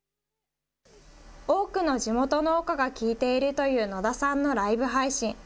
多くの地元農家が聞いているという野田さんのライブ配信。